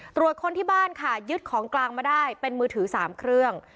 ตรวจคนที่บ้านค่ะยึดของกลางมาได้เป็นมือถือ๓เครื่อง